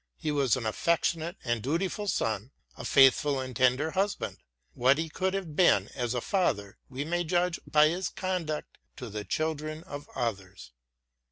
He was an affectionate and dutiful son, a faithful and tender husband ; what he would have been as a father we may judge by his conduct to the children of others.